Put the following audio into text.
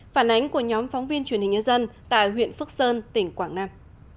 phản ánh của nhóm phóng viên truyền hình nhân dân tại huyện phước sơn tỉnh quảng nam